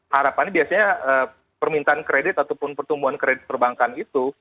harapannya biasanya permintaan kredit ataupun pertumbuhan kredit perbankan itu